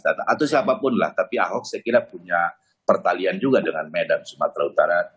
atau siapapun lah tapi ahok saya kira punya pertalian juga dengan medan sumatera utara